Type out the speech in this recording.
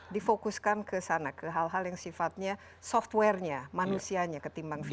difokuskan ke sana ke hal hal yang sifatnya software nya manusianya ketimbang fisik